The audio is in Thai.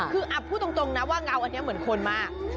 คือพูดตรงนะว่าเงาอันนี้เหมือนคนมาก